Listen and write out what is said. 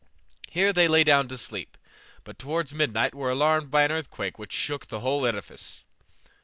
Here they lay down to sleep, but towards midnight were alarmed by an earthquake which shook the whole edifice.